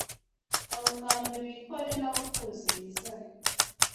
Abakambwe bikore N’abakuzi bizane